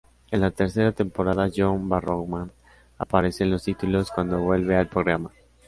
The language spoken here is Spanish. En la tercera temporada, John Barrowman aparece en los títulos cuando vuelve al programa.